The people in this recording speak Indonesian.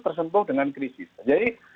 terdampak dengan krisis jadi